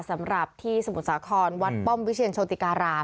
สำหรับที่สมุทรสาครวัดป้อมวิเชียนโชติการาม